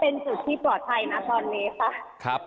เป็นจุดที่ปลอดภัยนะตอนนี้ค่ะ